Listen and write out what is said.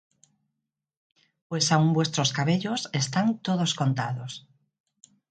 Pues aun vuestros cabellos están todos contados.